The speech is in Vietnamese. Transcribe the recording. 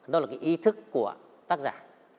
đó là cái ý thức của tác giả